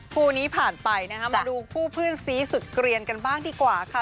คู่นี้ผ่านไปนะคะมาดูคู่เพื่อนซีสุดเกลียนกันบ้างดีกว่าค่ะ